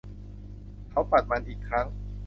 เขาปัดมันอีกครั้ง